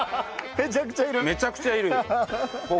めちゃくちゃいるよ。